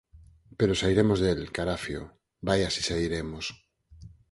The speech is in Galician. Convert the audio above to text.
Pero sairemos del, carafio! Vaia si sairemos.